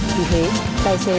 vì thế tài xế